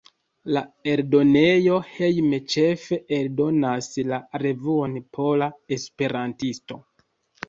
La eldonejo Hejme ĉefe eldonas la revuon Pola Esperantisto.